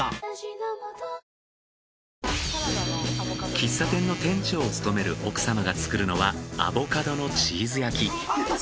喫茶店の店長を務める奥様が作るのはアボカドのチーズ焼き。